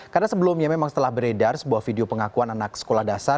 karena sebelumnya memang setelah beredar sebuah video pengakuan anak sekolah dasar